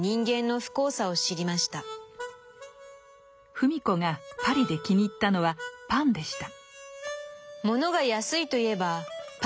芙美子がパリで気に入ったのはパンでした。